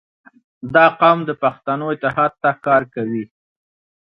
• دا قوم د پښتنو اتحاد ته کار کوي.